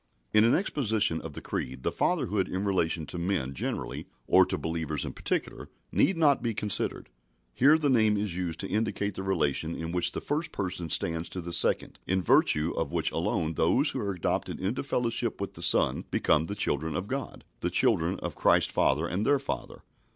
In an exposition of the Creed the Fatherhood in relation to men generally, or to believers in particular, need not be considered. Here the name is used to indicate the relation in which the First Person stands to the Second, in virtue of which alone those who are adopted into fellowship with the Son become the children of God the children of Christ's Father and their Father.